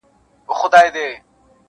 • نو پیغام تر ښکلا مهم دی -